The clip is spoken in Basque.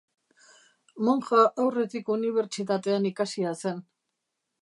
Monja aurretik unibertsitatean ikasia zen.